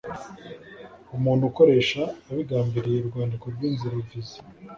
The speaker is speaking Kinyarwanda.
umuntu ukoresha abigambiriye urwandiko rw’inzira, viza,